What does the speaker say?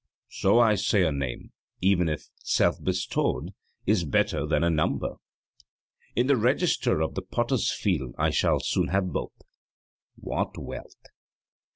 So I say a name, even if self bestowed, is better than a number. In the register of the potter's field I shall soon have both. What wealth!